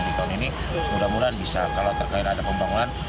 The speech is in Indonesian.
di tahun ini mudah mudahan bisa kalau terkait ada pembangunan